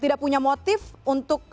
tidak punya motif untuk